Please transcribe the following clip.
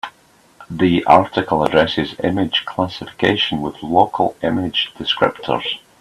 The article addresses image classification with local image descriptors.